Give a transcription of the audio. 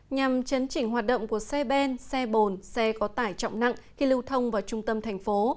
nhằm chấn chỉnh hoạt động của xe ben xe bồn xe có tải trọng nặng khi lưu thông vào trung tâm thành phố